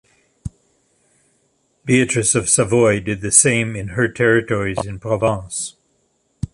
Beatrice of Savoy did the same in her territories in Provence.